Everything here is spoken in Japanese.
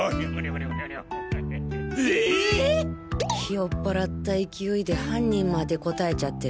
酔っぱらった勢いで犯人まで答えちゃってる。